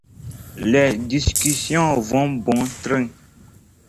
Les discussions vont bon train.